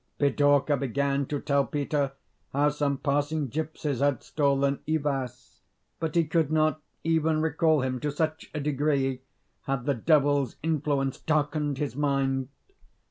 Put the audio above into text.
Pidorka began to tell Peter how some passing gipsies had stolen Ivas; but he could not even recall him to such a degree had the Devil's influence darkened his mind!